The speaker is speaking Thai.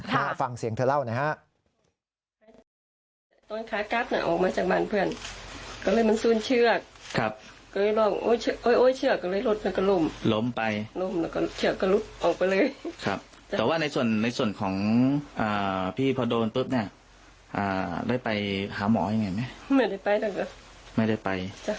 ถ้าฟังเสียงเธอเล่านะฮะ